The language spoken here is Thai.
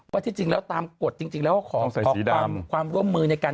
ที่จริงแล้วตามกฎจริงแล้วขอความร่วมมือในการ